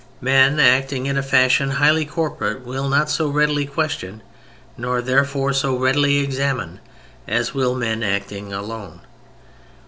Men acting in a fashion highly corporate will not so readily question, nor therefore so readily examine, as will men acting alone.